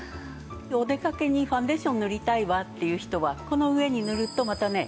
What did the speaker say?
お出かけにファンデーション塗りたいわっていう人はこの上に塗るとまたね